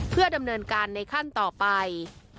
เพื่อดำเนินการในขั้นต่อไป